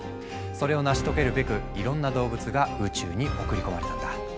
それを成し遂げるべくいろんな動物が宇宙に送り込まれたんだ。